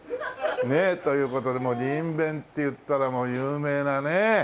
ねえという事でにんべんっていったらもう有名なね。